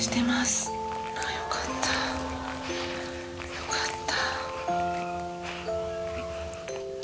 よかった。